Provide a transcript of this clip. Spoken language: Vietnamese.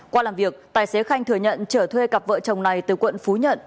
qua làm việc tài xế khanh thừa nhận trở thuê cặp vợ chồng này từ quận phú nhuận